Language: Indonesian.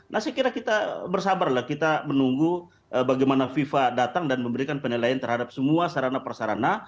nah saya kira kita bersabarlah kita menunggu bagaimana fifa datang dan memberikan penilaian terhadap semua sarana perasarana